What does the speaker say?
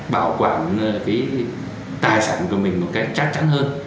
bảo quản cái tài sản của mình một cách chắc chắn hơn